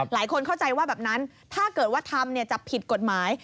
หลายคนเข้าใจว่าแบบนั้นถ้าเกิดว่าทำจะผิดกฎหมาย